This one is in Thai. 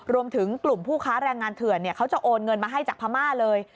รวมถึงกลุ่มผู้ค้าแรงงานเถื่อนเขาจะโอนเงินมาให้จากพม่าเลย